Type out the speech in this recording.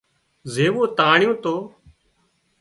زيوون تانڻيون تو